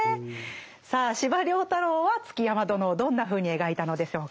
さあ司馬太郎は築山殿をどんなふうに描いたのでしょうか？